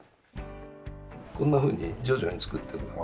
こんなふうに徐々に作ってく。